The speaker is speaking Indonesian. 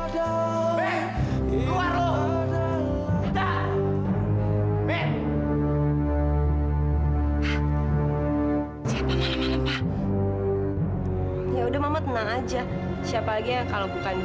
ada luar lho minta minta siapa malam malam pak ya udah mama tenang aja siapa lagi kalau bukan